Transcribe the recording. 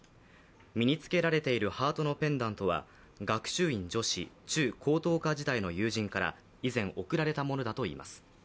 身に着けられているハートのペンダントは学習院女子中・高等科の友人から以前、贈られたものだといいます。